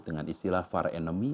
dengan istilah far enemy